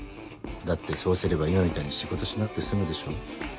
だってそうすれば今みたいに仕事しなくて済むでしょ。